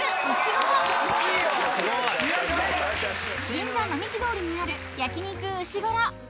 ［銀座並木通りにある焼肉うしごろ］